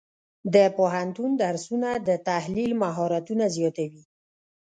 د پوهنتون درسونه د تحلیل مهارتونه زیاتوي.